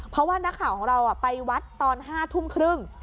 เพราะว่านักข่าวของเราไปวัดตอน๕ทุ่มครึ่ง